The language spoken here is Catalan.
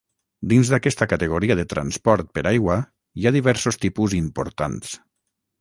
Dins d'aquesta categoria de transport per aigua hi ha diversos tipus importants.